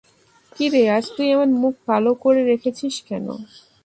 কিরে, আজ তুই এমন মুখ কালো করে রেখেছিস কেন?